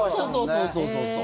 そうそうそうそう。